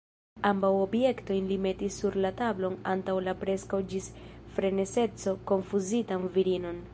Ambaŭ objektojn li metis sur la tablon antaŭ la preskaŭ ĝis frenezeco konfuzitan virinon.